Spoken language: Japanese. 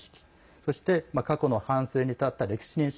そして、過去の反省に立った歴史認識。